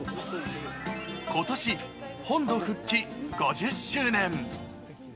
ことし、本土復帰５０周年。